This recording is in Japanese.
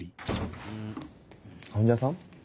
患者さん？